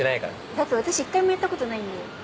だって私一回もやったことないんだよ。